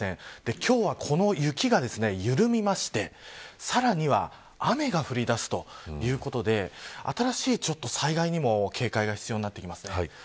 今日は、この雪が緩みましてさらには雨が降りだすということで新しい災害にも警戒が必要になります。